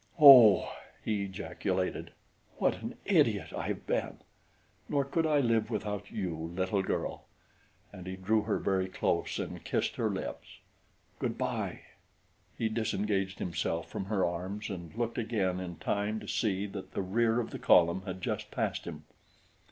"Oh!" he ejaculated. "What an idiot I have been! Nor could I live without you, little girl." And he drew her very close and kissed her lips. "Good bye." He disengaged himself from her arms and looked again in time to see that the rear of the column had just passed him.